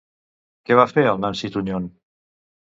Què va fer al Nancy Tuñón?